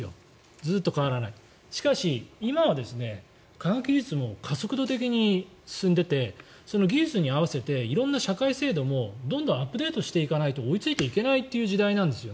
しかし今は科学技術も加速度的に進んでいて技術に合わせて色んな社会制度もどんどんアップデートしていかないと追いついていけないという時代なんです。